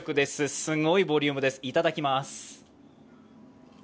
すごいボリュームです、いただきます。